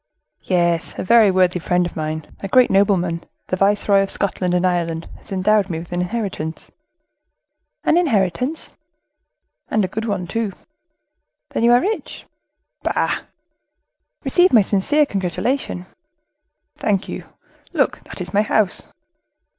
"Yes, a very worthy friend of mine, a great nobleman, the viceroy of Scotland and Ireland, has endowed me with an inheritance." "An inheritance?" "And a good one, too." "Then you are rich?" "Bah!" "Receive my sincere congratulation." "Thank you! Look, that is my house."